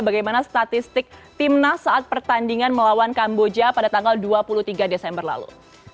bagaimana statistik timnas saat pertandingan melawan kamboja pada tanggal dua puluh tiga desember lalu